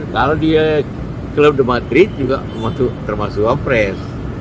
kalau club the madrid juga termasuk wah pres